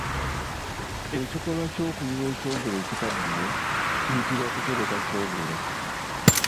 Ekikolwa ky’okuyiwa ekyogero ekikaddiye kiyitibwa Kutereka kyogero.